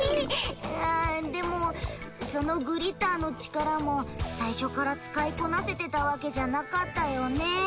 あでもそのグリッターの力も最初から使いこなせてたわけじゃなかったよね。